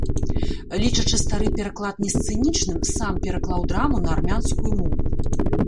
Лічачы стары пераклад несцэнічным, сам пераклаў драму на армянскую мову.